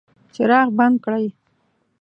څراغ بند کړئ